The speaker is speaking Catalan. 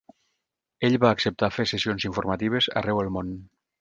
Ell va acceptar fer sessions informatives arreu el món.